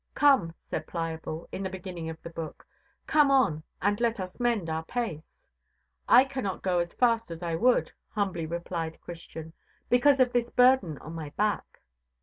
"Come," said Pliable, in the beginning of the book, "come on and let us mend our pace." "I cannot go so fast as I would," humbly replied Christian, "because of this burden on my back."